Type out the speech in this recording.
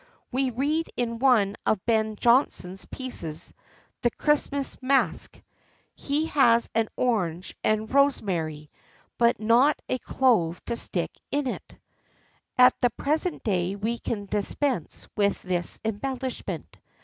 We read in one of Ben Jonson's pieces, the "Christmas Masque," "He has an orange and rosemary, but not a clove to stick in it."[XIII 40] At the present day we can dispense with this embellishment.